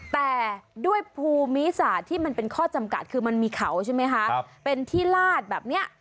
แต่ด้วยภูมิศาสตร์ที่มันเป็นข้อจำกัดคือมันมีเขาใช่ไหมคะเป็นที่ลาดแบบนี้